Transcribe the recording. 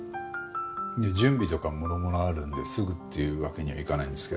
準備とかもろもろあるんですぐっていうわけにはいかないんですけど。